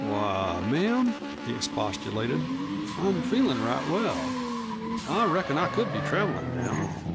"Why, ma'am," he expostulated, "I'm feelin' right well. I reckon I could be travelin' now.